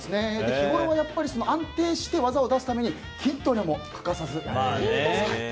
日ごろは安定して技を出すために筋トレも欠かさずやっているという。